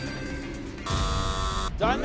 残念。